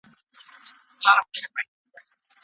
که تاسو په کرکټ کې ښه توپ وهنه وکړئ نو لوبه ګټلای شئ.